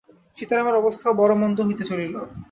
সীতারামের অবস্থাও বড় মন্দ হইতে চলিল।